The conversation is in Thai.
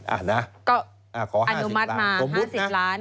อ่านุมัติมา๕๐ล้าน